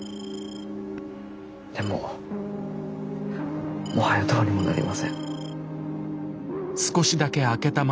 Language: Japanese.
でももはやどうにもなりません。